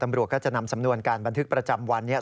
ตำรวจก็จะนำสำนวนการบันทึกประจำวันเนี่ย